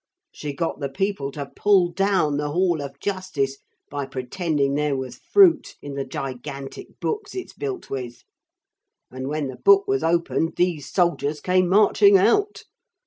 She got the people to pull down the Hall of Justice by pretending there was fruit in the gigantic books it's built with. And when the book was opened these soldiers came marching out.